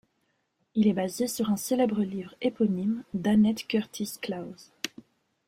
Il est basé sur un célèbre livre éponyme d'Annette Curtis Klause.